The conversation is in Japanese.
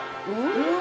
うわ！